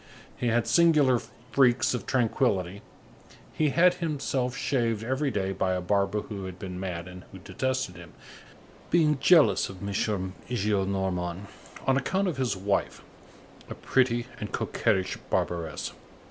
He had singular freaks of tranquillity; he had himself shaved every day by a barber who had been mad and who detested him, being jealous of M. Gillenormand on account of his wife, a pretty and coquettish barberess.